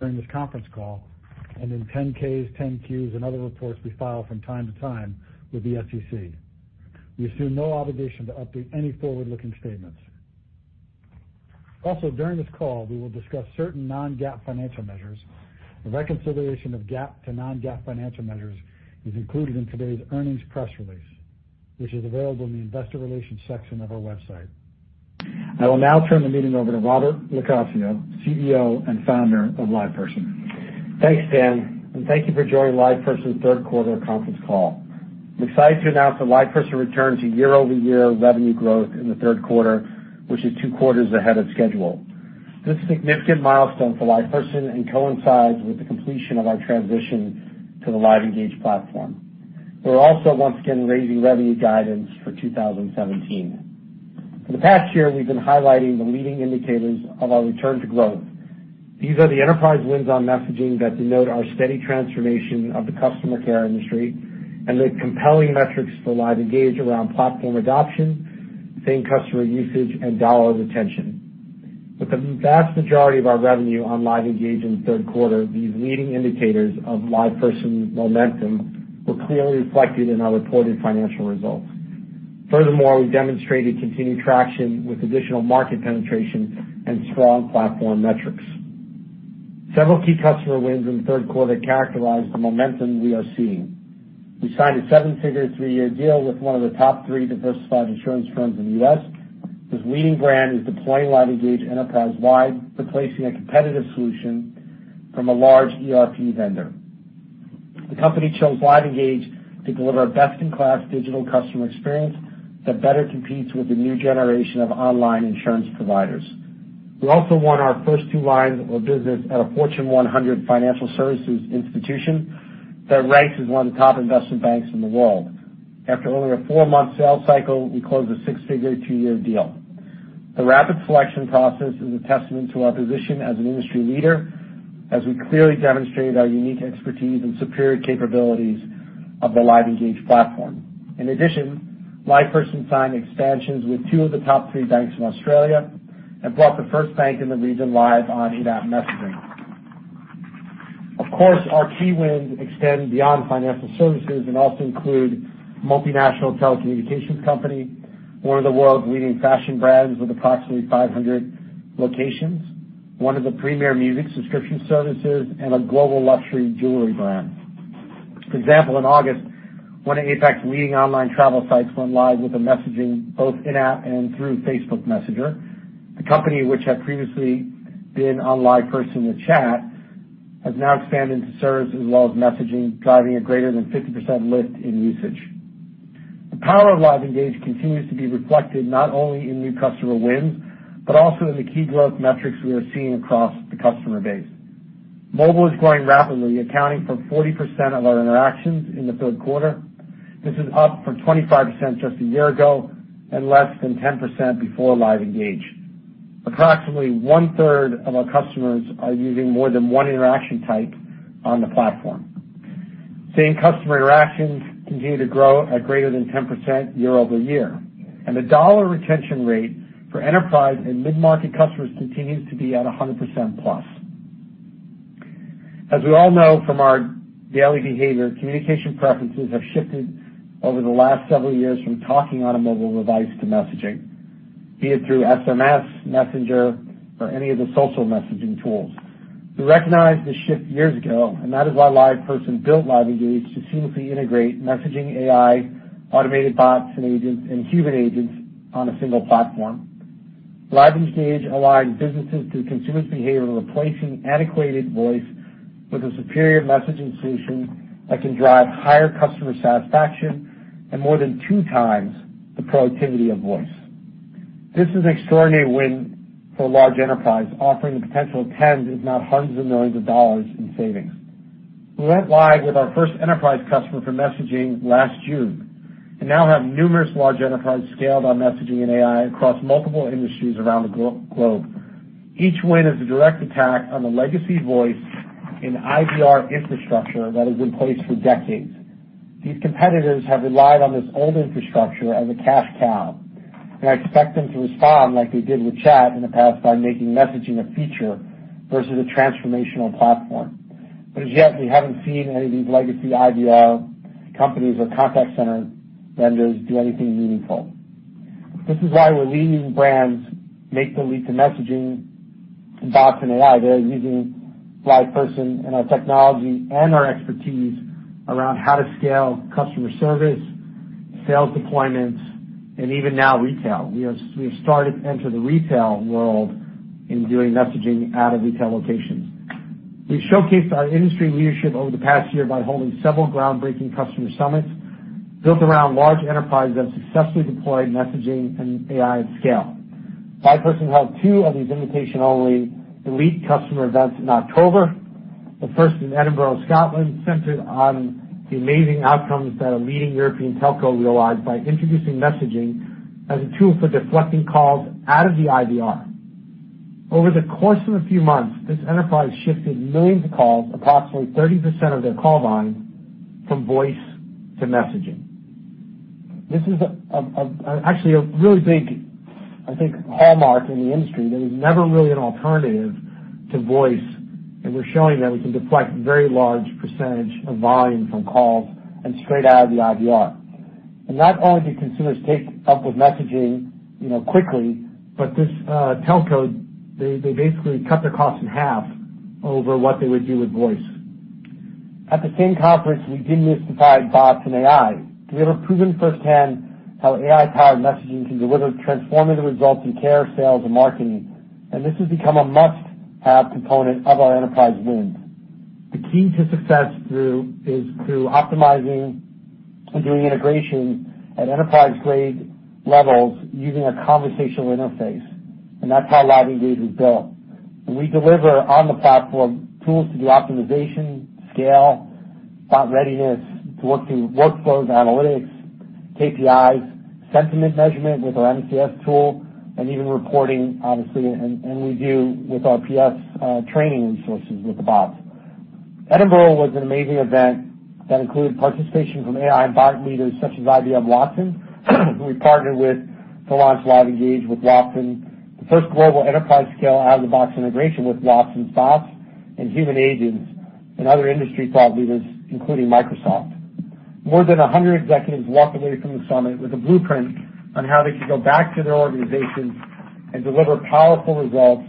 During this conference call and in 10-Ks, 10-Qs and other reports we file from time to time with the SEC. We assume no obligation to update any forward-looking statements. Also, during this call, we will discuss certain non-GAAP financial measures. A reconciliation of GAAP to non-GAAP financial measures is included in today's earnings press release, which is available in the investor relations section of our website. I will now turn the meeting over to Robert LoCascio, CEO and Founder of LivePerson. Thanks, Dan, thank you for joining LivePerson's third quarter conference call. I'm excited to announce that LivePerson returned to year-over-year revenue growth in the third quarter, which is two quarters ahead of schedule. This is a significant milestone for LivePerson and coincides with the completion of our transition to the LiveEngage platform. We're also once again raising revenue guidance for 2017. For the past year, we've been highlighting the leading indicators of our return to growth. These are the enterprise wins on messaging that denote our steady transformation of the customer care industry and the compelling metrics for LiveEngage around platform adoption, same customer usage, and dollar retention. With the vast majority of our revenue on LiveEngage in the third quarter, these leading indicators of LivePerson momentum were clearly reflected in our reported financial results. Furthermore, we demonstrated continued traction with additional market penetration and strong platform metrics. Several key customer wins in the third quarter characterized the momentum we are seeing. We signed a 7-figure, 3-year deal with one of the top 3 diversified insurance firms in the U.S. This leading brand is deploying LiveEngage enterprise-wide, replacing a competitive solution from a large ERP vendor. The company chose LiveEngage to deliver best-in-class digital customer experience that better competes with the new generation of online insurance providers. We also won our first two lines of business at a Fortune 100 financial services institution that ranks as one of the top investment banks in the world. After only a four-month sales cycle, we closed a 6-figure, 2-year deal. The rapid selection process is a testament to our position as an industry leader, as we clearly demonstrated our unique expertise and superior capabilities of the LiveEngage platform. LivePerson signed expansions with two of the top three banks in Australia and brought the first bank in the region live on in-app messaging. Of course, our key wins extend beyond financial services and also include multinational telecommunications company, one of the world's leading fashion brands with approximately 500 locations, one of the premier music subscription services, and a global luxury jewelry brand. For example, in August, one of APAC's leading online travel sites went live with a messaging both in-app and through Facebook Messenger. The company, which had previously been on LivePerson with chat, has now expanded to services and loves messaging, driving a greater than 50% lift in usage. The power of LiveEngage continues to be reflected not only in new customer wins, but also in the key growth metrics we are seeing across the customer base. Mobile is growing rapidly, accounting for 40% of our interactions in the third quarter. This is up from 25% just a year ago and less than 10% before LiveEngage. Approximately one-third of our customers are using more than one interaction type on the platform. Same customer interactions continue to grow at greater than 10% year-over-year, and the dollar retention rate for enterprise and mid-market customers continues to be at 100% plus. As we all know from our daily behavior, communication preferences have shifted over the last several years from talking on a mobile device to messaging, be it through SMS, Messenger or any of the social messaging tools. We recognized this shift years ago, and that is why LivePerson built LiveEngage to seamlessly integrate messaging AI, automated bots and agents, and human agents on a single platform. LiveEngage aligns businesses to consumer's behavior, replacing antiquated voice with a superior messaging solution that can drive higher customer satisfaction and more than two times the productivity of voice. This is an extraordinary win for large enterprise, offering the potential of tens, if not hundreds of millions of dollars in savings. We went live with our first enterprise customer for messaging last June and now have numerous large enterprise scaled on messaging and AI across multiple industries around the globe. Each win is a direct attack on the legacy voice and IVR infrastructure that has been placed for decades. I expect them to respond like they did with chat in the past by making messaging a feature versus a transformational platform. As yet, we haven't seen any of these legacy IVR companies or contact center vendors do anything meaningful. This is why we're leading brands make the leap to messaging, bots, and AI. They're using LivePerson and our technology and our expertise around how to scale customer service, sales deployments, and even now retail. We have started to enter the retail world in doing messaging out of retail locations. We showcased our industry leadership over the past year by holding several groundbreaking customer summits built around large enterprises that have successfully deployed messaging and AI at scale. LivePerson held two of these invitation-only elite customer events in October, the first in Edinburgh, Scotland, centered on the amazing outcomes that a leading European telco realized by introducing messaging as a tool for deflecting calls out of the IVR. Over the course of a few months, this enterprise shifted millions of calls, approximately 30% of their call volume, from voice to messaging. This is actually a really big, I think, hallmark in the industry. There was never really an alternative to voice, and we're showing that we can deflect very large percentage of volume from calls and straight out of the IVR. Not only do consumers take up with messaging quickly, but this telco, they basically cut their costs in half over what they would do with voice. At the same conference, we demystified bots and AI to deliver proven firsthand how AI-powered messaging can deliver transformative results in care, sales, and marketing. This has become a must-have component of our enterprise wins. The key to success is through optimizing and doing integration at enterprise-grade levels using a conversational interface, and that's how LiveEngage was built. We deliver on the platform tools to do optimization, scale, bot readiness to work through workflows, analytics, KPIs, sentiment measurement with our MCS tool, even reporting, obviously, and we do with our PS training resources with the bots. Edinburgh was an amazing event that included participation from AI and bot leaders such as IBM Watson, who we partnered with to launch LiveEngage with Watson, the first global enterprise-scale out-of-the-box integration with Watson's bots and human agents and other industry thought leaders, including Microsoft. More than 100 executives walked away from the summit with a blueprint on how they could go back to their organizations and deliver powerful results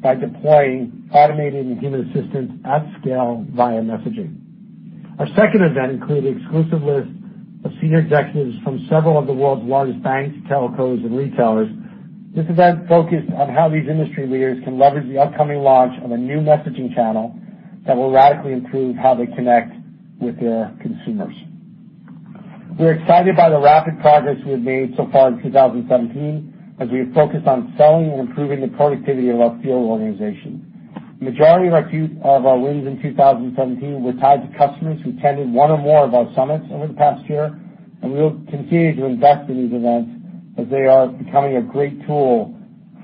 by deploying automated and human assistance at scale via messaging. Our second event included exclusive list of senior executives from several of the world's largest banks, telcos, and retailers. This event focused on how these industry leaders can leverage the upcoming launch of a new messaging channel that will radically improve how they connect with their consumers. We are excited by the rapid progress we have made so far in 2017 as we have focused on selling and improving the productivity of our field organization. The majority of our wins in 2017 were tied to customers who attended one or more of our summits over the past year. We will continue to invest in these events as they are becoming a great tool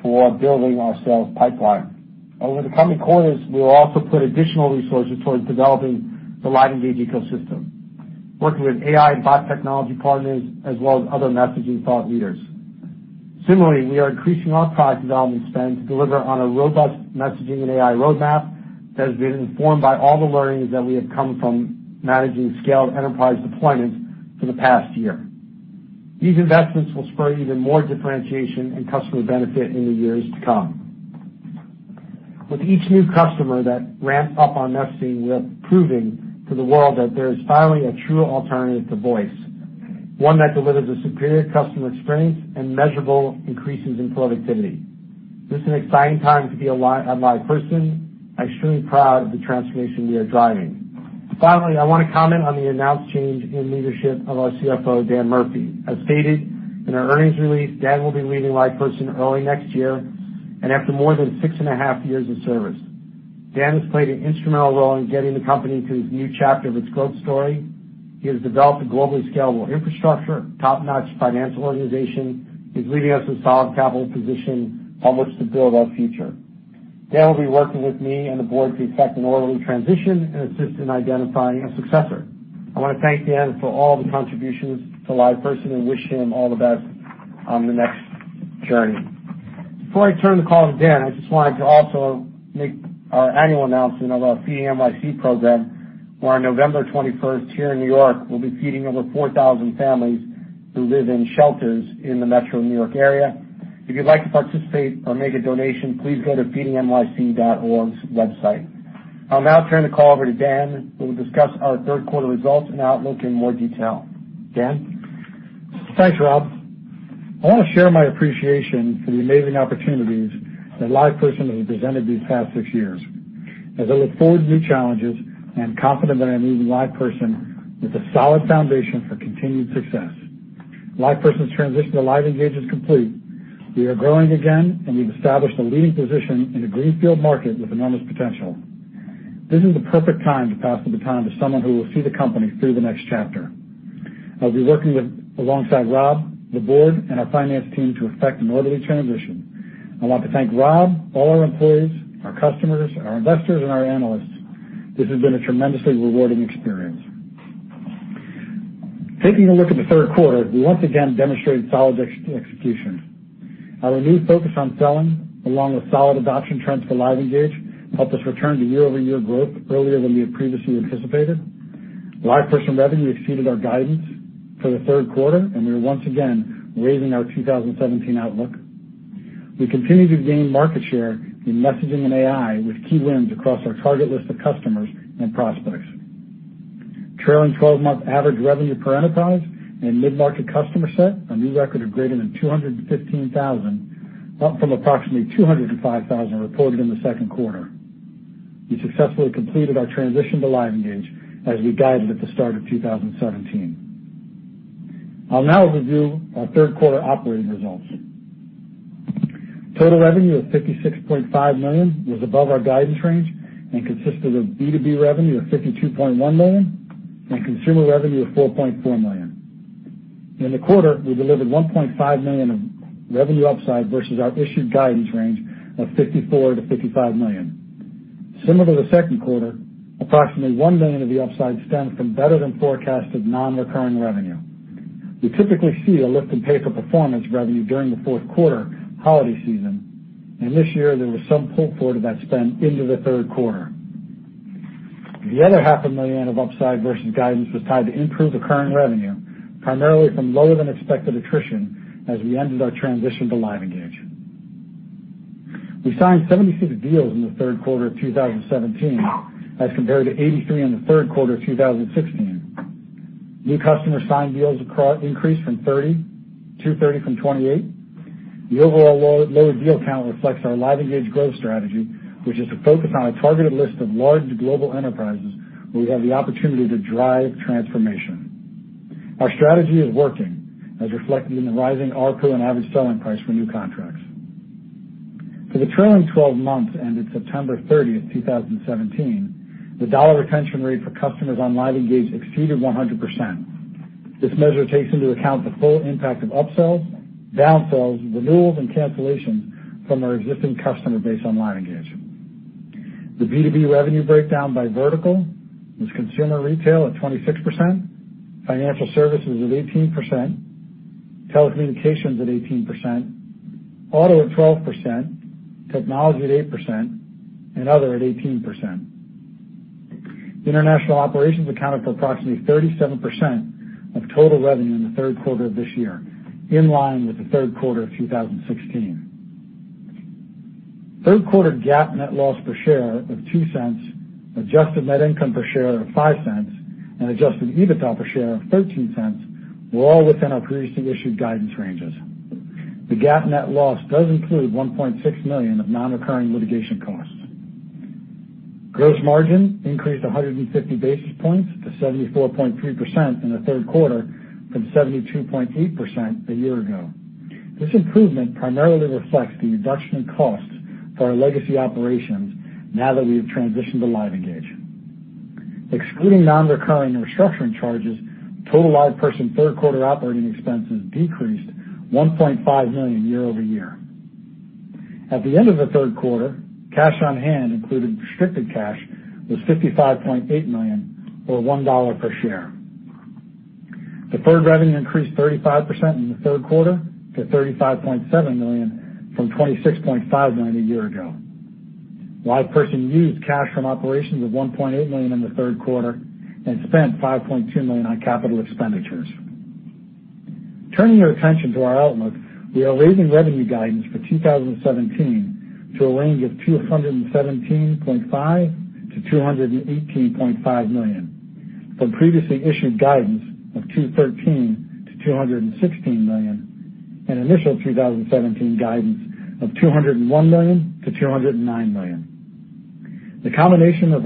for building our sales pipeline. Over the coming quarters, we will also put additional resources towards developing the LiveEngage ecosystem, working with AI and bot technology partners, as well as other messaging thought leaders. Similarly, we are increasing our product development spend to deliver on a robust messaging and AI roadmap that has been informed by all the learnings that we have come from managing scaled enterprise deployments for the past year. These investments will spur even more differentiation and customer benefit in the years to come. With each new customer that ramps up on messaging, we are proving to the world that there is finally a true alternative to voice, one that delivers a superior customer experience and measurable increases in productivity. This is an exciting time to be a LivePerson. I am extremely proud of the transformation we are driving. Finally, I want to comment on the announced change in leadership of our CFO, Dan Murphy. As stated in our earnings release, Dan will be leaving LivePerson early next year and after more than six and a half years of service. Dan has played an instrumental role in getting the company to this new chapter of its growth story. He has developed a globally scalable infrastructure, top-notch financial organization. He is leaving us with solid capital position on which to build our future. Dan will be working with me and the board to effect an orderly transition and assist in identifying a successor. I want to thank Dan for all the contributions to LivePerson and wish him all the best on the next journey. Before I turn the call to Dan, I just wanted to also make our annual announcement of our FeedingNYC program, where on November 21st here in New York, we will be feeding over 4,000 families who live in shelters in the metro New York area. If you would like to participate or make a donation, please go to feedingnyc.org's website. I'll now turn the call over to Dan, who will discuss our third quarter results and outlook in more detail. Dan? Thanks, Rob. I want to share my appreciation for the amazing opportunities that LivePerson has presented these past six years. As I look forward to new challenges, I am confident that I'm leaving LivePerson with a solid foundation for continued success. LivePerson's transition to LiveEngage is complete. We are growing again, and we've established a leading position in a greenfield market with enormous potential. This is the perfect time to pass the baton to someone who will see the company through the next chapter. I'll be working alongside Rob, the board, and our finance team to effect an orderly transition. I want to thank Rob, all our employees, our customers, our investors, and our analysts. This has been a tremendously rewarding experience. Taking a look at the third quarter, we once again demonstrated solid execution. Our renewed focus on selling, along with solid adoption trends for LiveEngage, helped us return to year-over-year growth earlier than we had previously anticipated. LivePerson revenue exceeded our guidance for the third quarter, and we are once again raising our 2017 outlook. We continue to gain market share in messaging and AI with key wins across our target list of customers and prospects. Trailing 12-month average revenue per enterprise and mid-market customer set, a new record of greater than $215,000, up from approximately $205,000 reported in the second quarter. We successfully completed our transition to LiveEngage as we guided at the start of 2017. I'll now review our third quarter operating results. Total revenue of $56.5 million was above our guidance range and consisted of B2B revenue of $52.1 million and consumer revenue of $4.4 million. In the quarter, we delivered $1.5 million of revenue upside versus our issued guidance range of $54 million-$55 million. Similar to the second quarter, approximately $1 million of the upside stemmed from better than forecasted non-recurring revenue. We typically see a lift in pay-for-performance revenue during the fourth quarter holiday season, and this year there was some pull forward of that spend into the third quarter. The other half a million dollars of upside versus guidance was tied to improved recurring revenue, primarily from lower than expected attrition as we ended our transition to LiveEngage. We signed 76 deals in the third quarter of 2017 as compared to 83 in the third quarter of 2016. New customer signed deals increased to 30 from 28. The overall lower deal count reflects our LiveEngage growth strategy, which is to focus on a targeted list of large global enterprises where we have the opportunity to drive transformation. Our strategy is working, as reflected in the rising ARPU and average selling price for new contracts. For the trailing 12 months ended September 30th, 2017, the dollar retention rate for customers on LiveEngage exceeded 100%. This measure takes into account the full impact of upsells, downsells, renewals, and cancellations from our existing customer base on LiveEngage. The B2B revenue breakdown by vertical was consumer retail at 26%, financial services at 18%, telecommunications at 18%, auto at 12%, technology at 8%, and other at 18%. International operations accounted for approximately 37% of total revenue in the third quarter of this year, in line with the third quarter of 2016. Third quarter GAAP net loss per share of $0.02, adjusted net income per share of $0.05, and adjusted EBITDA per share of $0.13 were all within our previously issued guidance ranges. The GAAP net loss does include $1.6 million of non-recurring litigation costs. Gross margin increased 150 basis points to 74.3% in the third quarter from 72.8% a year ago. This improvement primarily reflects the reduction in costs for our legacy operations now that we have transitioned to LiveEngage. Excluding non-recurring restructuring charges, total LivePerson third quarter operating expenses decreased $1.5 million year-over-year. At the end of the third quarter, cash on hand, including restricted cash, was $55.8 million or $1 per share. Deferred revenue increased 35% in the third quarter to $35.7 million from $26.5 million a year ago. LivePerson used cash from operations of $1.8 million in the third quarter and spent $5.2 million on capital expenditures. Turning your attention to our outlook, we are raising revenue guidance for 2017 to a range of $217.5 million-$218.5 million, from previously issued guidance of $213 million-$216 million and initial 2017 guidance of $201 million-$209 million. The combination of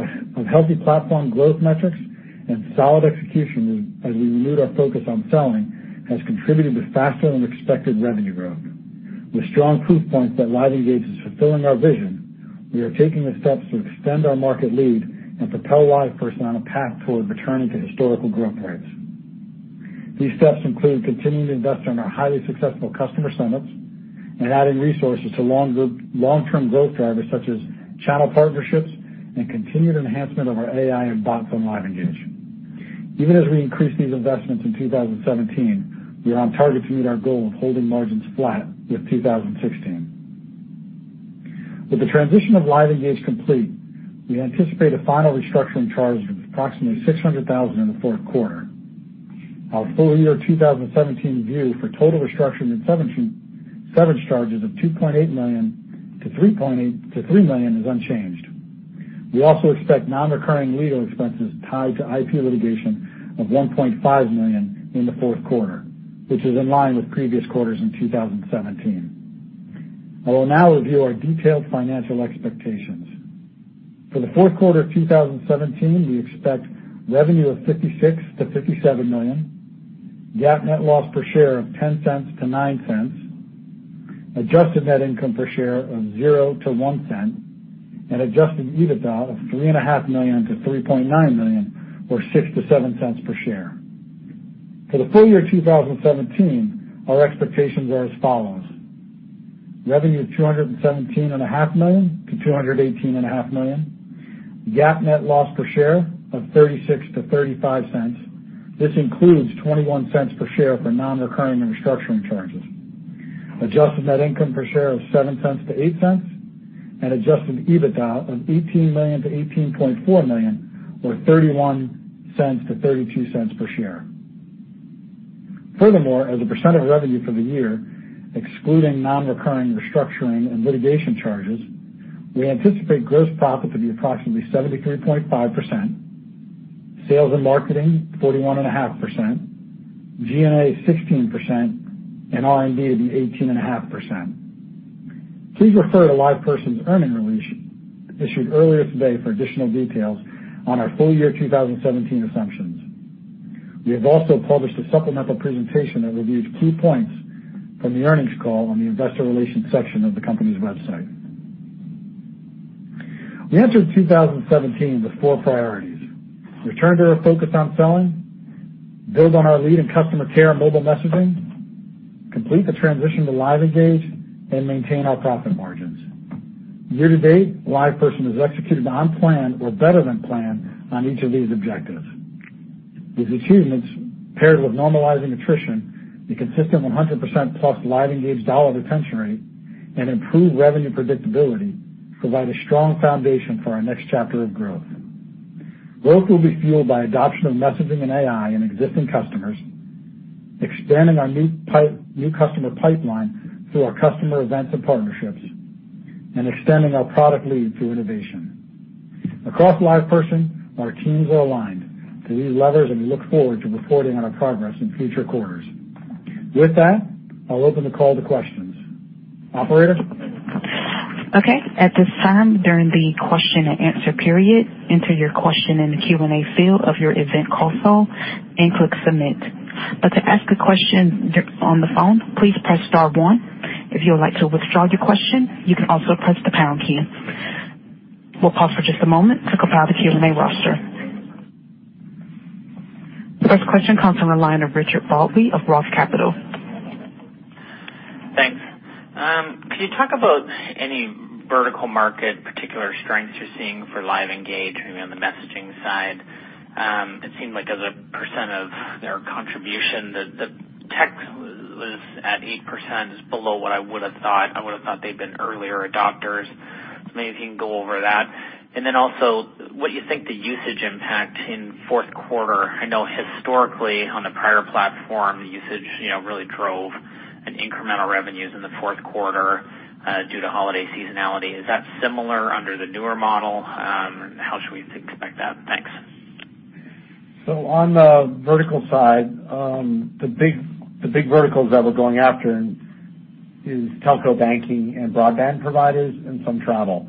healthy platform growth metrics and solid execution as we renewed our focus on selling has contributed to faster than expected revenue growth. With strong proof points that LiveEngage is fulfilling our vision, we are taking the steps to extend our market lead and propel LivePerson on a path toward returning to historical growth rates. These steps include continuing to invest in our highly successful customer sign-ups and adding resources to long-term growth drivers such as channel partnerships and continued enhancement of our AI and bots on LiveEngage. Even as we increase these investments in 2017, we are on target to meet our goal of holding margins flat with 2016. With the transition of LiveEngage complete, we anticipate a final restructuring charge of approximately $600,000 in the fourth quarter. Our full year 2017 view for total restructuring and severance charges of $2.8 million-$3 million is unchanged. We also expect non-recurring legal expenses tied to IP litigation of $1.5 million in the fourth quarter, which is in line with previous quarters in 2017. I will now review our detailed financial expectations. For the fourth quarter of 2017, we expect revenue of $56 million-$57 million, GAAP net loss per share of $0.10-$0.09, adjusted net income per share of $0.00-$0.01, and adjusted EBITDA of $3.5 million-$3.9 million, or $0.06-$0.07 per share. For the full year 2017, our expectations are as follows. Revenue $217 and a half million to $218 and a half million. GAAP net loss per share of $0.36 to $0.35. This includes $0.21 per share for non-recurring restructuring charges. Adjusted net income per share of $0.07 to $0.08, and adjusted EBITDA of $18 million to $18.4 million, or $0.31 to $0.32 per share. Furthermore, as a % of revenue for the year, excluding non-recurring restructuring and litigation charges, we anticipate gross profit to be approximately 73.5%, sales and marketing 41.5%, G&A 16%, and R&D to be 18.5%. Please refer to LivePerson's earnings release issued earlier today for additional details on our full year 2017 assumptions. We have also published a supplemental presentation that reviews key points from the earnings call on the investor relations section of the company's website. We entered 2017 with four priorities. Return to our focus on selling, build on our lead in customer care and mobile messaging. Complete the transition to LiveEngage, and maintain our profit margins. Year to date, LivePerson has executed on plan or better than plan on each of these objectives. These achievements, paired with normalizing attrition, the consistent 100%-plus LiveEngage dollar retention rate, and improved revenue predictability, provide a strong foundation for our next chapter of growth. Growth will be fueled by adoption of messaging and AI in existing customers, expanding our new customer pipeline through our customer events and partnerships, and extending our product lead through innovation. Across LivePerson, our teams are aligned to these levers, and we look forward to reporting on our progress in future quarters. With that, I'll open the call to questions. Operator? Okay. At this time, during the question and answer period, enter your question in the Q&A field of your event call phone and click submit. To ask a question on the phone, please press star one. If you would like to withdraw your question, you can also press the pound key. We'll pause for just a moment to compile the Q&A roster. First question comes from the line of Richard Baldry of Roth Capital. Thanks. Could you talk about any vertical market particular strengths you're seeing for LiveEngage on the messaging side? It seemed like as a % of their contribution, the tech was at 8%, is below what I would've thought. I would've thought they'd been earlier adopters. Maybe you can go over that. Also, what do you think the usage impact in fourth quarter? I know historically on the prior platform, the usage really drove an incremental revenues in the fourth quarter, due to holiday seasonality. Is that similar under the newer model? How should we expect that? Thanks. On the vertical side, the big verticals that we're going after is telco banking and broadband providers and some travel.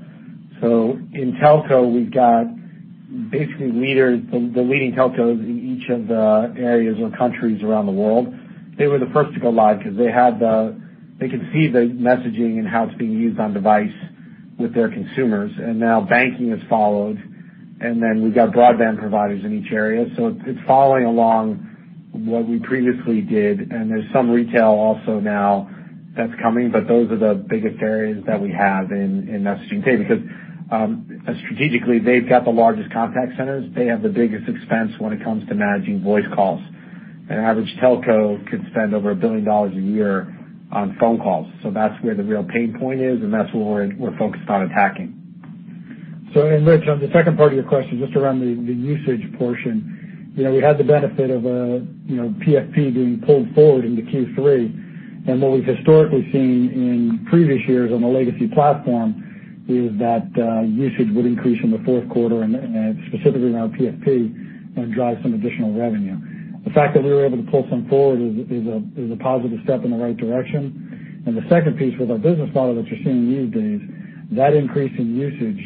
In telco, we've got basically the leading telcos in each of the areas or countries around the world. They were the first to go live because they could see the messaging and how it's being used on device with their consumers. Now banking has followed, and then we've got broadband providers in each area. It's following along what we previously did, and there's some retail also now that's coming. Those are the biggest areas that we have in messaging today because, strategically, they've got the largest contact centers. They have the biggest expense when it comes to managing voice calls. An average telco could spend over $1 billion a year on phone calls. That's where the real pain point is, and that's what we're focused on attacking. Rich, on the second part of your question, just around the usage portion, we had the benefit of PFP being pulled forward into Q3. What we've historically seen in previous years on the legacy platform is that usage would increase in the fourth quarter and specifically around PFP and drive some additional revenue. The fact that we were able to pull some forward is a positive step in the right direction. The second piece with our business model that you're seeing these days, that increase in usage,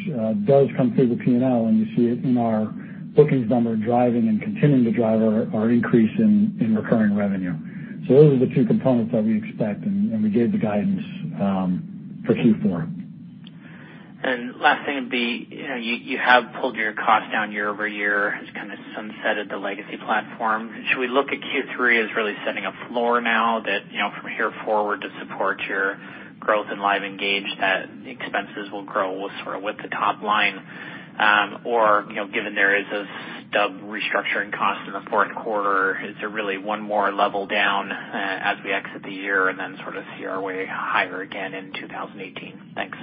does come through the P&L, and you see it in our bookings number driving and continuing to drive our increase in recurring revenue. Those are the two components that we expect, and we gave the guidance for Q4. Last thing would be, you have pulled your cost down year-over-year as kind of sunsetted the legacy platform. Should we look at Q3 as really setting a floor now that, from here forward to support your growth in LiveEngage, that expenses will grow sort of with the top line? Or, given there is a stub restructuring cost in the fourth quarter, is there really one more level down, as we exit the year and then sort of see our way higher again in 2018? Thanks.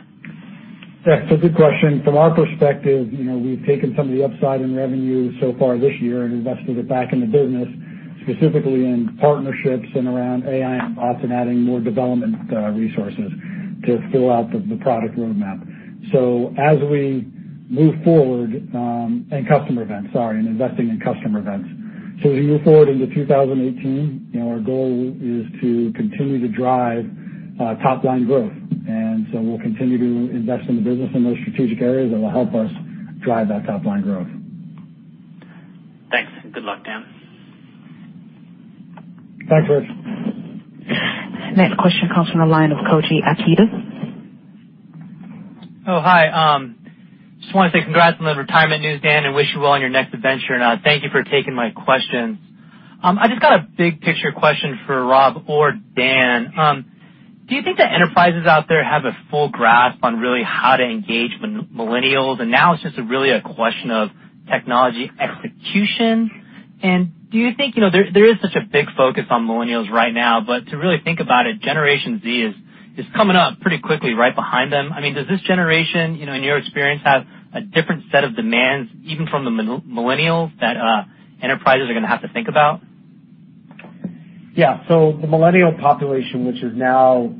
Yeah. Good question. From our perspective, we've taken some of the upside in revenue so far this year and invested it back in the business, specifically in partnerships and around AI, and also adding more development resources to fill out the product roadmap, and customer events, sorry, and investing in customer events. As we move forward into 2018, our goal is to continue to drive top-line growth. We'll continue to invest in the business in those strategic areas that will help us drive that top-line growth. Thanks, and good luck, Dan. Thanks, Rich. Next question comes from the line of Koji Ikeda. Oh, hi. Just want to say congrats on the retirement news, Dan, and wish you well on your next adventure. Thank you for taking my questions. I just got a big picture question for Rob or Dan. Do you think that enterprises out there have a full grasp on really how to engage millennials, and now it's just really a question of technology execution? Do you think, there is such a big focus on millennials right now, but to really think about it, Generation Z is coming up pretty quickly right behind them. Does this generation, in your experience, have a different set of demands, even from the millennials, that enterprises are going to have to think about? Yeah. The millennial population, which is now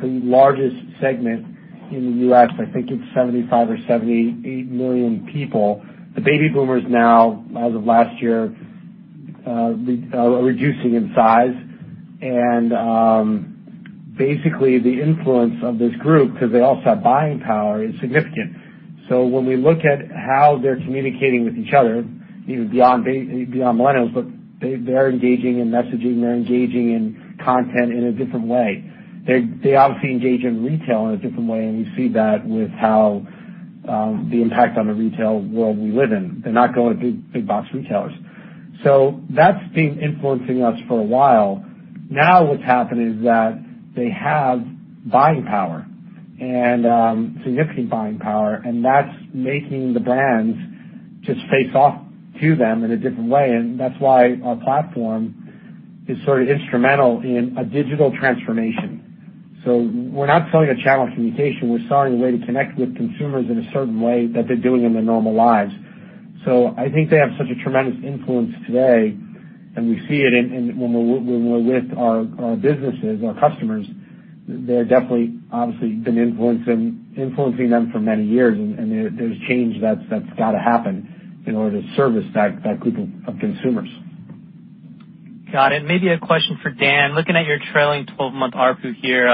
the largest segment in the U.S., I think it's 75 or 78 million people. The baby boomers now, as of last year, are reducing in size. Basically, the influence of this group, because they all still have buying power, is significant. When we look at how they're communicating with each other, even beyond millennials, but they're engaging in messaging, they're engaging in content in a different way. They obviously engage in retail in a different way, and we see that with how the impact on the retail world we live in. They're not going to big-box retailers. That's been influencing us for a while. Now what's happened is that they have buying power, and significant buying power, and that's making the brands just face off to them in a different way, and that's why our platform is sort of instrumental in a digital transformation. We're not selling a channel of communication, we're selling a way to connect with consumers in a certain way that they're doing in their normal lives. I think they have such a tremendous influence today, and we see it when we're with our businesses, our customers, they're definitely, obviously been influencing them for many years, and there's change that's got to happen in order to service that group of consumers. Got it. Maybe a question for Dan. Looking at your trailing 12-month ARPU here,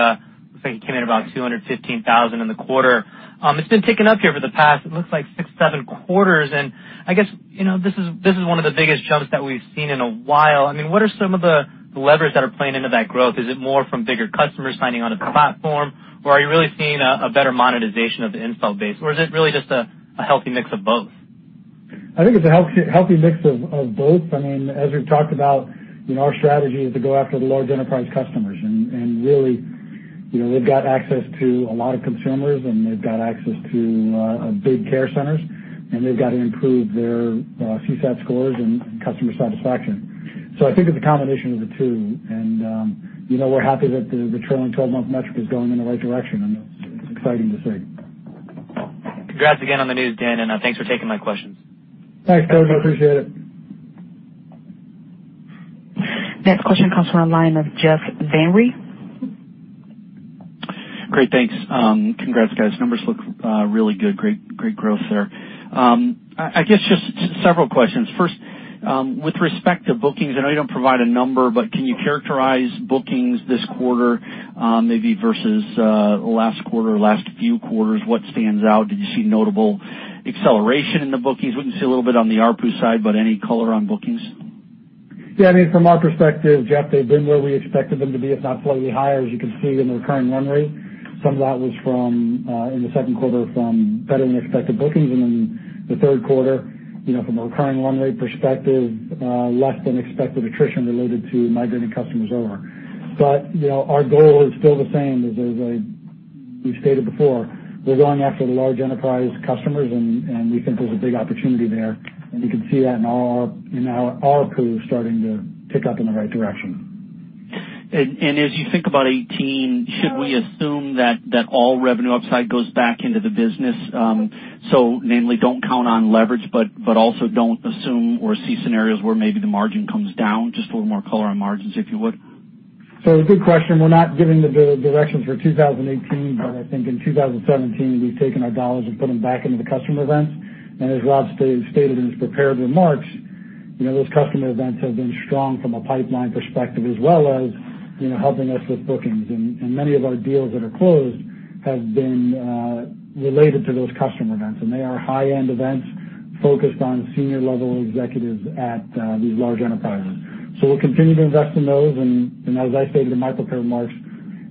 looks like it came in about $215,000 in the quarter. It's been ticking up here for the past, it looks like six, seven quarters, and I guess, this is one of the biggest jumps that we've seen in a while. What are some of the levers that are playing into that growth? Is it more from bigger customers signing onto the platform, or are you really seeing a better monetization of the install base, or is it really just a healthy mix of both? I think it's a healthy mix of both. As we've talked about, our strategy is to go after the large enterprise customers. Really, they've got access to a lot of consumers, they've got access to big care centers, they've got to improve their CSAT scores and customer satisfaction. I think it's a combination of the two, we're happy that the trailing 12-month metric is going in the right direction, and it's exciting to see. Congrats again on the news, Dan, thanks for taking my questions. Thanks, Koji. Appreciate it. Next question comes from the line of Jeff Van Rhee. Great. Thanks. Congrats, guys. Numbers look really good. Great growth there. I guess just several questions. First, with respect to bookings, I know you don't provide a number, but can you characterize bookings this quarter, maybe versus last quarter or last few quarters? What stands out? Did you see notable acceleration in the bookings? We can see a little bit on the ARPU side, but any color on bookings? Yeah. From our perspective, Jeff, they've been where we expected them to be, if not slightly higher, as you can see in the recurring run rate. Some of that was from, in the second quarter, from better-than-expected bookings, and in the third quarter, from a recurring run rate perspective, less than expected attrition related to migrating customers over. Our goal is still the same. As we've stated before, we're going after the large enterprise customers, and we think there's a big opportunity there, and you can see that in our ARPU starting to tick up in the right direction. As you think about 2018, should we assume that all revenue upside goes back into the business? Namely, don't count on leverage, but also don't assume or see scenarios where maybe the margin comes down. Just a little more color on margins, if you would. A good question. We're not giving the directions for 2018, but I think in 2017, we've taken our dollars and put them back into the customer events. As Rob stated in his prepared remarks, those customer events have been strong from a pipeline perspective, as well as helping us with bookings. Many of our deals that are closed have been related to those customer events, and they are high-end events focused on senior-level executives at these large enterprises. We'll continue to invest in those, and as I stated in my prepared remarks,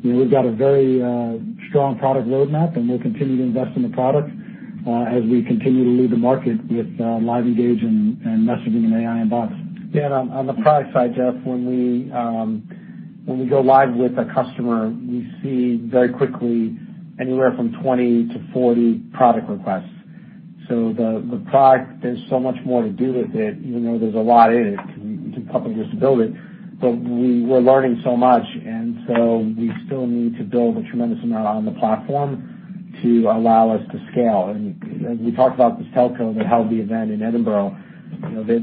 we've got a very strong product roadmap, and we'll continue to invest in the product as we continue to lead the market with LiveEngage and messaging and AI and bots. Dan, on the product side, Jeff, when we go live with a customer, we see very quickly anywhere from 20 to 40 product requests. The product, there's so much more to do with it, even though there's a lot in it. It'd take a couple of years to build it. We're learning so much, we still need to build a tremendous amount on the platform to allow us to scale. We talked about this telco that held the event in Edinburgh.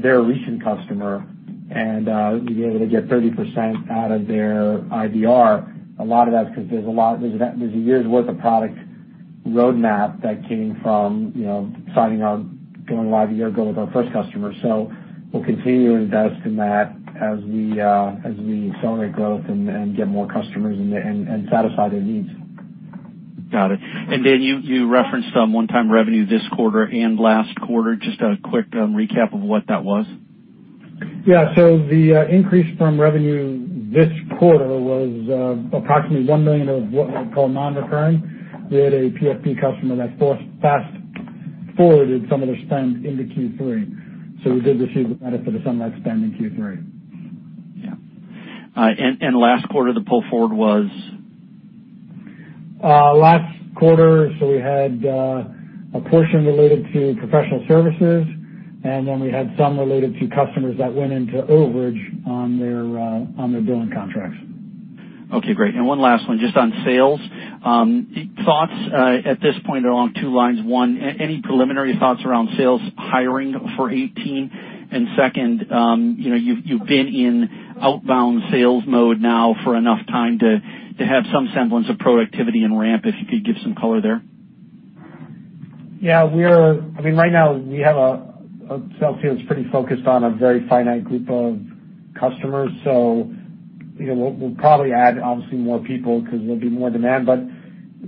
They're a recent customer, and to be able to get 30% out of their IVR, a lot of that's because there's a year's worth of product roadmap that came from signing our, going live a year ago with our first customer. We'll continue to invest in that as we accelerate growth and get more customers and satisfy their needs. Got it. Dan, you referenced some one-time revenue this quarter and last quarter. Just a quick recap of what that was. Yeah. The increase from revenue this quarter was approximately $1 million of what we call non-recurring. We had a PFP customer that fast-forwarded some of their spend into Q3. We did receive the benefit of some of that spend in Q3. Yeah. Last quarter, the pull forward was? Last quarter, we had a portion related to professional services, then we had some related to customers that went into overage on their billing contracts. Okay, great. One last one, just on sales. Thoughts at this point along two lines. One, any preliminary thoughts around sales hiring for 2018? Second, you've been in outbound sales mode now for enough time to have some semblance of productivity and ramp, if you could give some color there. Yeah. Right now, we have a sales team that's pretty focused on a very finite group of customers. We'll probably add, obviously, more people because there'll be more demand, but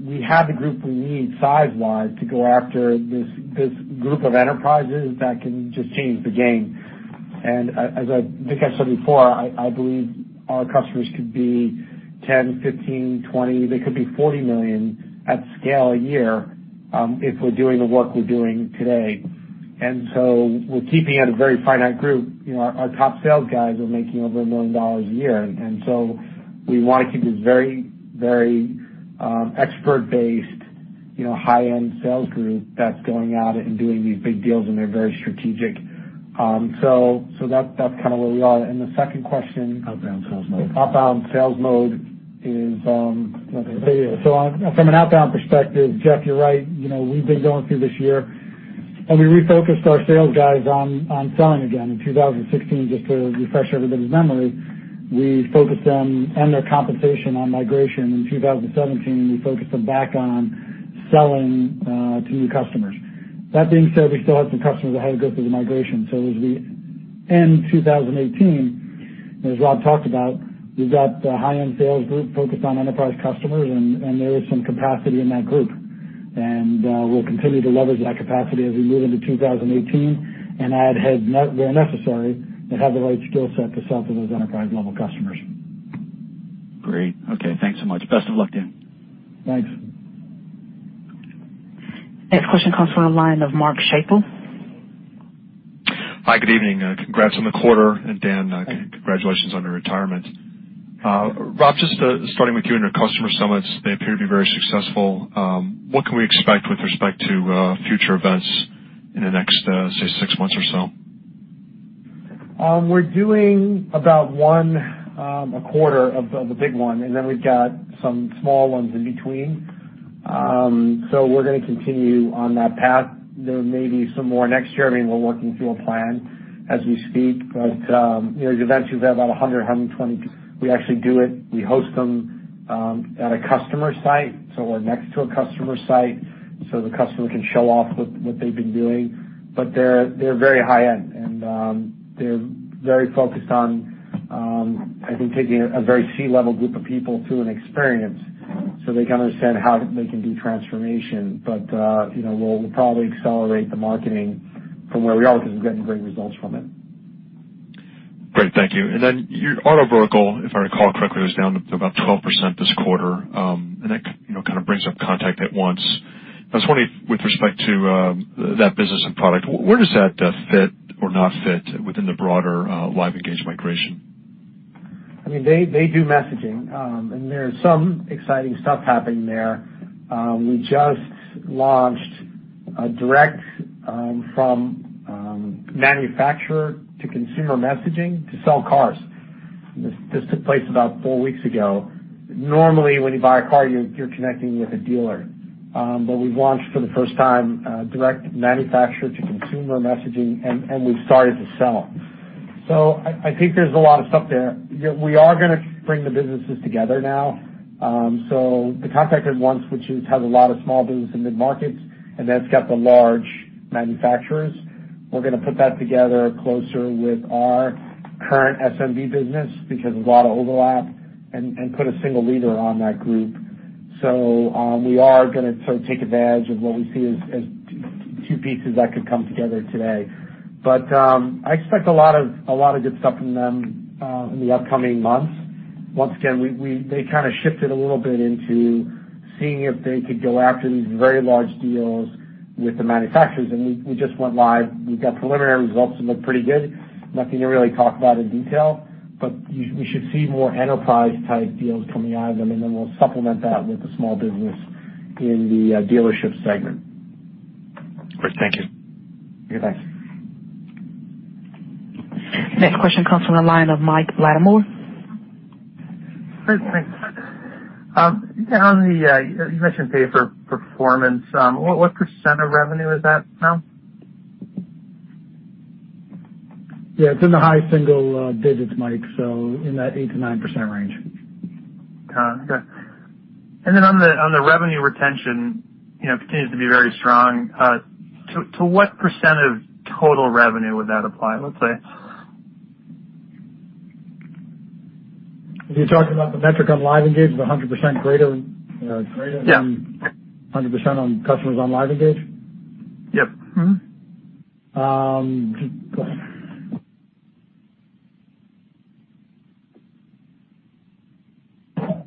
we have the group we need size-wise to go after this group of enterprises that can just change the game. As I think I've said before, I believe our customers could be $10 million, $15 million, $20 million, they could be $40 million at scale a year if we're doing the work we're doing today. We're keeping it a very finite group. Our top sales guys are making over $1 million a year. We want to keep this very expert-based, high-end sales group that's going out and doing these big deals, and they're very strategic. That's where we are. The second question- Outbound sales mode outbound sales mode is. From an outbound perspective, Jeff, you're right. We've been going through this year. We refocused our sales guys on selling again in 2016. Just to refresh everybody's memory, we focused them and their compensation on migration in 2017. We focused them back on selling to new customers. That being said, we still have some customers that had to go through the migration. As we end 2018, and as Rob talked about, we've got the high-end sales group focused on enterprise customers, and there is some capacity in that group. We'll continue to leverage that capacity as we move into 2018 and add heads where necessary that have the right skill set to sell to those enterprise-level customers. Great. Okay, thanks so much. Best of luck, Dan. Thanks. Next question comes from the line of Mark Schappel. Hi, good evening. Congrats on the quarter. Dan, congratulations on your retirement. Rob, just starting with you and your customer summits, they appear to be very successful. What can we expect with respect to future events in the next, say, six months or so? We're doing about one a quarter of the big one, then we've got some small ones in between. We're going to continue on that path. There may be some more next year. We're working through a plan as we speak, These events, we've had about 100, 120. We actually do it. We host them at a customer site, so we're next to a customer site so the customer can show off what they've been doing. They're very high-end, and they're very focused on, I think, taking a very C-level group of people through an experience so they can understand how they can do transformation. We'll probably accelerate the marketing from where we are because we've gotten great results from it. Great. Thank you. Then your auto vertical, if I recall correctly, was down to about 12% this quarter. That kind of brings up Contact At Once!. I was wondering with respect to that business and product, where does that fit or not fit within the broader LiveEngage migration? They do messaging. There is some exciting stuff happening there. We just launched a direct-from-manufacturer-to-consumer messaging to sell cars. This took place about four weeks ago. Normally, when you buy a car, you're connecting with a dealer. We've launched for the first time, direct manufacturer-to-consumer messaging, and we've started to sell. I think there's a lot of stuff there. We are going to bring the businesses together now. The Contact At Once!, which has a lot of small business and mid-markets, and then it's got the large manufacturers. We're going to put that together closer with our current SMB business because there's a lot of overlap, and put a single leader on that group. We are going to take advantage of what we see as two pieces that could come together today. I expect a lot of good stuff from them in the upcoming months. Once again, they kind of shifted a little bit into seeing if they could go after these very large deals with the manufacturers, We just went live. We've got preliminary results that look pretty good. Nothing to really talk about in detail, We should see more enterprise-type deals coming out of them, Then we'll supplement that with the small business in the dealership segment. Great. Thank you. Okay, thanks. Next question comes from the line of Mike Latimore. Great. Thanks. You mentioned pay-for-performance. What % of revenue is that now? Yeah, it's in the high single digits, Mike, so in that 8%-9% range. Got it. Okay. On the revenue retention, it continues to be very strong. To what % of total revenue would that apply, let's say? Are you talking about the metric on LiveEngage of 100%? Yeah 100% on customers on LiveEngage? Yep. Mm-hmm. Go ahead.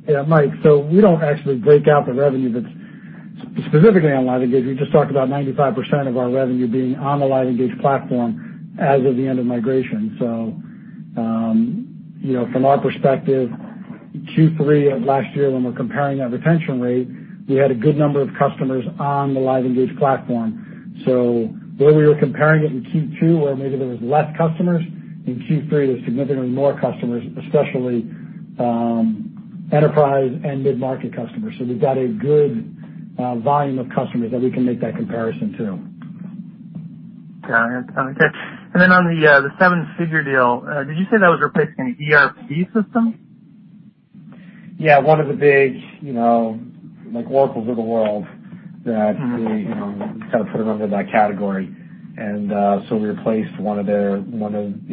Yeah, Mike, we don't actually break out the revenue that's specifically on LiveEngage. We just talked about 95% of our revenue being on the LiveEngage platform as of the end of migration. From our perspective, Q3 of last year, when we're comparing that retention rate, we had a good number of customers on the LiveEngage platform. Where we were comparing it in Q2, where maybe there was less customers, in Q3, there's significantly more customers, especially enterprise and mid-market customers. We've got a good volume of customers that we can make that comparison to. Got it. Okay. Then on the seven-figure deal, did you say that was replacing an ERP system? Yeah. One of the big Oracles of the world that we kind of put them under that category. We replaced one of their implementations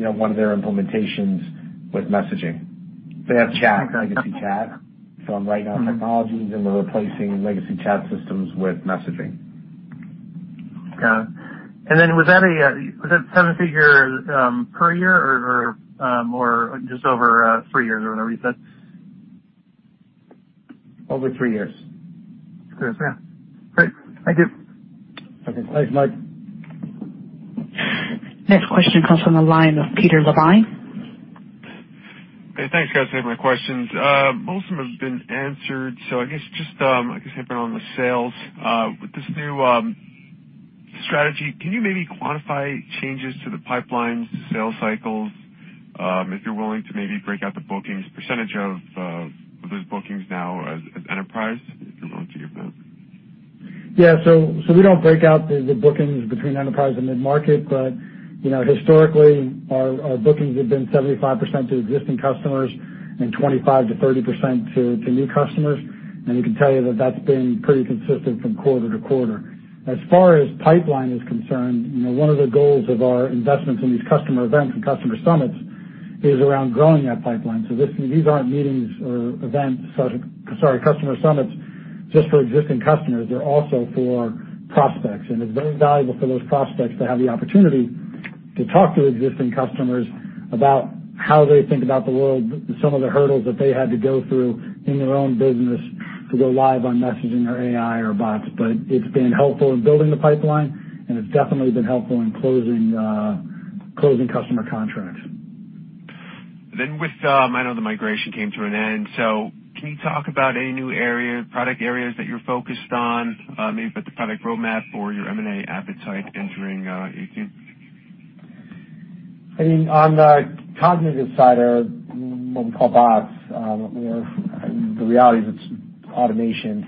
with messaging. They have chat, legacy chat. I'm writing out technologies, we're replacing legacy chat systems with messaging. Got it. Then was that seven-figure per year or just over three years or whatever you said? Over three years. Three years. Yeah. Great. Thank you. Okay. Thanks, Mike. Next question comes from the line of Peter Levine. Okay, thanks guys. I have my questions. Most of them have been answered, hitting on the sales. With this new strategy, can you maybe quantify changes to the pipelines, sales cycles, if you're willing to maybe break out the bookings percentage of those bookings now as enterprise, if you're willing to give that. Yeah. We don't break out the bookings between enterprise and mid-market. Historically, our bookings have been 75% to existing customers and 25%-30% to new customers. We can tell you that's been pretty consistent from quarter to quarter. As far as pipeline is concerned, one of the goals of our investments in these customer events and customer summits is around growing that pipeline. These aren't meetings or events, sorry, customer summits just for existing customers. They're also for prospects. It's very valuable for those prospects to have the opportunity to talk to existing customers about how they think about the world, some of the hurdles that they had to go through in their own business to go live on messaging or AI or bots. It's been helpful in building the pipeline, and it's definitely been helpful in closing customer contracts. With, I know the migration came to an end, can you talk about any new product areas that you're focused on, maybe about the product roadmap or your M&A appetite entering 2018? I mean, on the cognitive side, or what we call bots, where the reality is it's automation,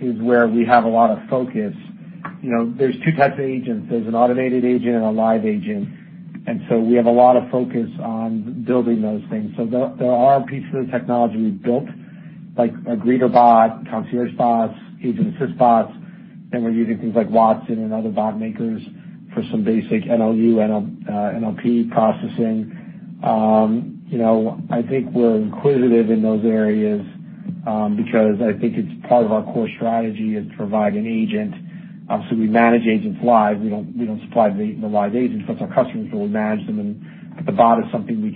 is where we have a lot of focus. There's two types of agents. There's an automated agent and a live agent. We have a lot of focus on building those things. There are pieces of technology we've built, like a greeter bot, concierge bots, agent assist bots, and we're using things like Watson and other bot makers for some basic NLU, NLP processing. I think we're inquisitive in those areas, because I think it's part of our core strategy to provide an agent. Obviously, we manage agents live. We don't supply the live agents. Of course, our customers will manage them, and the bot is something we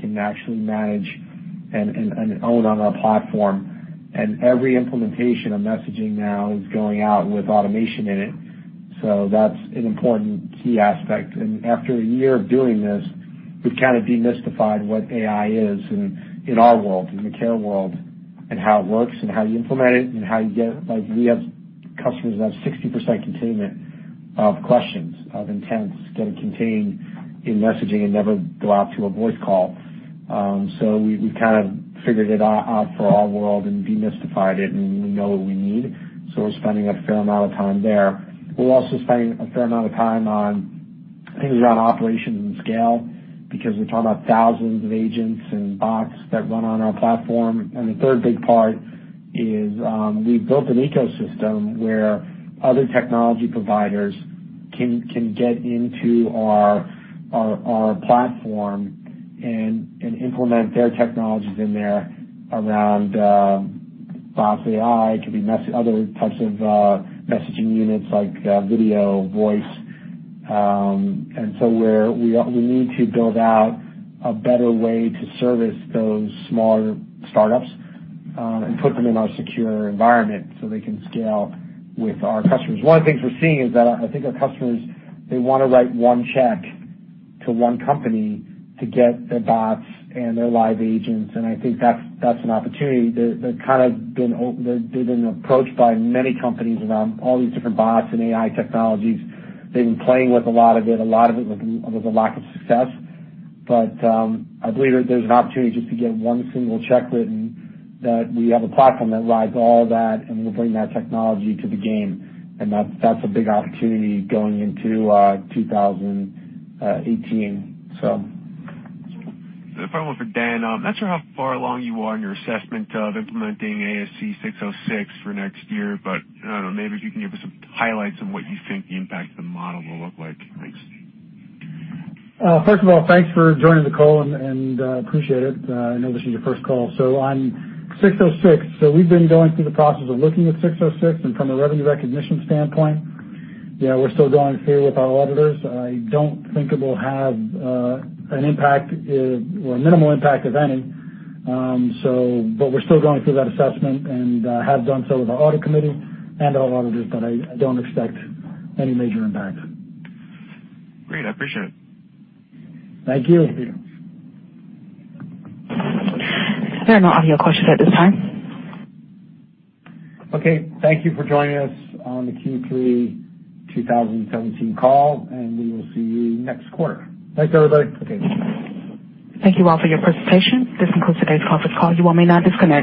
can actually manage and own on our platform. Every implementation of messaging now is going out with automation in it. That's an important key aspect. After a year of doing this, we've kind of demystified what AI is in our world, in the care world, and how it works and how you implement it. Like, we have customers that have 60% containment of questions, of intents getting contained in messaging and never go out to a voice call. We've kind of figured it out for our world and demystified it, and we know what we need. We're spending a fair amount of time there. We're also spending a fair amount of time on things around operations and scale, because we're talking about thousands of agents and bots that run on our platform. The third big part is, we've built an ecosystem where other technology providers can get into our platform and implement their technologies in there around bots, AI. It could be other types of messaging units like video, voice. We need to build out a better way to service those smaller startups, and put them in our secure environment so they can scale with our customers. One of the things we're seeing is that I think our customers, they want to write one check to one company to get their bots and their live agents, and I think that's an opportunity. They've been approached by many companies around all these different bots and AI technologies. They've been playing with a lot of it, a lot of it with a lack of success. I believe there's an opportunity just to get one single check written, that we have a platform that rides all that, and we bring that technology to the game. That's a big opportunity going into 2018. I have one for Dan. I'm not sure how far along you are in your assessment of implementing ASC 606 for next year, but I don't know, maybe if you can give us some highlights on what you think the impact of the model will look like. Thanks. First of all, thanks for joining the call, and appreciate it. I know this is your first call. On 606, we've been going through the process of looking at 606, and from a revenue recognition standpoint, yeah, we're still going through with our auditors. I don't think it will have an impact or a minimal impact, if any. We're still going through that assessment and have done so with our audit committee and our auditors, but I don't expect any major impact. Great, I appreciate it. Thank you. There are no audio questions at this time. Okay. Thank you for joining us on the Q3 2017 call. We will see you next quarter. Thanks, everybody. Okay. Thank you all for your presentation. This concludes today's conference call. You may now disconnect.